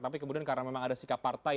tapi kemudian karena memang ada sikap partai